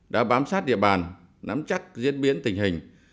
đã bám sát địa bàn nắm chắc diễn biến tình hình